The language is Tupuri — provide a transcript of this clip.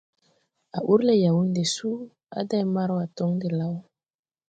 A ur le Yawunde suu a day Marwa tɔŋ de law.